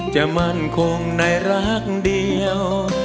มั่นคงในรักเดียว